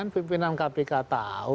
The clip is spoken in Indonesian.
pimpinan kpk tahu